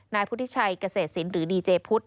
นายพุทธิชัยเกษตรศิลป์หรือดีเจพุทธ